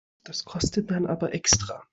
Das kostet dann aber extra.